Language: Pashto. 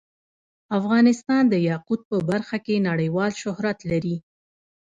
افغانستان د یاقوت په برخه کې نړیوال شهرت لري.